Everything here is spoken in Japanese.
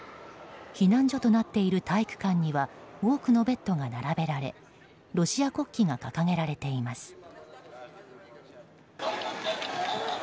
避難所となっている体育館には多くのベッドが並べられロシア国旗が掲げられています。